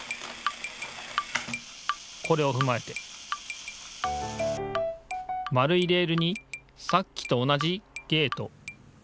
これをふまえて円いレールにさっきと同じゲート。